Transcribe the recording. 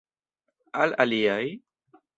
Al aliaj?